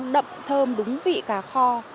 nó đậm thơm đúng vị cá kho